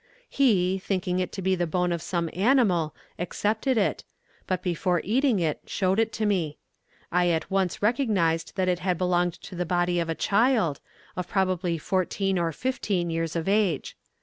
He, thinking it to be the bone of some animal, accepted it, but before eating it showed it to me. I at once recognized that it had belonged to the body of a child, of probably fourteen or fifteen years of age.